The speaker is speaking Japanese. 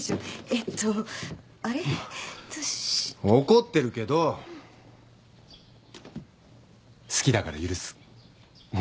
怒ってるけど好きだから許す。